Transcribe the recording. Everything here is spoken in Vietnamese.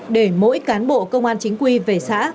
để mỗi cán bộ công an chính quy về xã